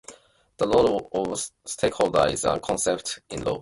The role of stakeholder is a concept in law.